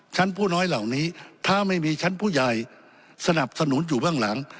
ชั้นผู้น้อยเหล่านี้ถ้าไม่มีชั้นผู้ใหญ่สนับสนุนอยู่เบื้องหลัง